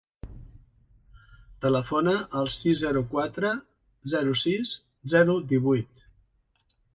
Telefona al sis, zero, quatre, zero, sis, zero, divuit.